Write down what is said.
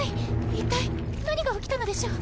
一体何が起きたのでしょう？